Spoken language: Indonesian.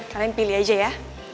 kalian pilih aja ya